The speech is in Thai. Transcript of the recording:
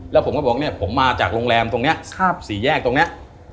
แล้วผมก็บอกเนี่ยผมมาจากโรงแรมตรงนี้สี่แยกตรงนี้